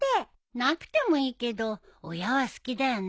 なくてもいいけど親は好きだよね。